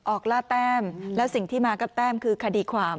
ล่าแต้มแล้วสิ่งที่มากับแต้มคือคดีความ